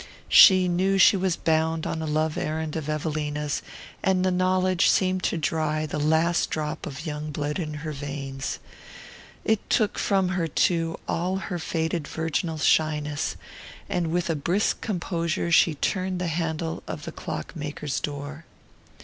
She knew she was bound on a love errand of Evelina's, and the knowledge seemed to dry the last drop of young blood in her veins. It took from her, too, all her faded virginal shyness; and with a brisk composure she turned the handle of the clock maker's door.